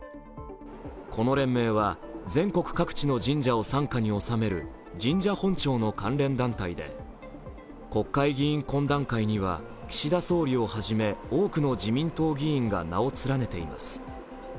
この連盟は全国各地の神社を傘下に収める神社本庁の関連団体で、国会議員懇談会には岸田総理を始め、多くの自民党議員が名を連ねています。